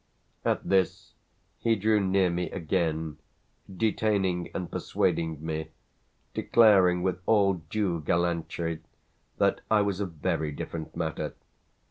At this he drew near me again, detaining and persuading me, declaring with all due gallantry that I was a very different matter.